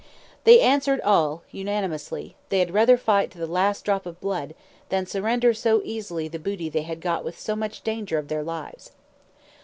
They answered all, unanimously, they had rather fight to the last drop of blood, than surrender so easily the booty they had got with so much danger of their lives.